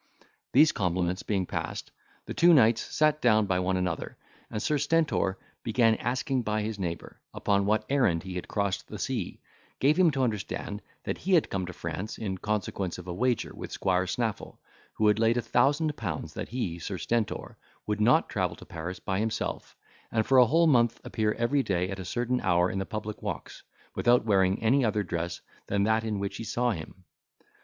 These compliments being passed, the two knights sat down by one another, and Sir Stentor being asked by his neighbour, upon what errand he had crossed the sea, gave him to understand, that he had come to France, in consequence of a wager with Squire Snaffle, who had laid a thousand pounds, that he, Sir Stentor, would not travel to Paris by himself, and for a whole month appear every day at a certain hour in the public walks, without wearing any other dress than that in which he saw him.